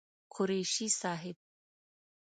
قريشي صاحب